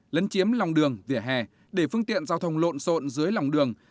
lấn chiếm lòng đường vỉa hè để phương tiện giao thông lộn xộn dưới lòng đường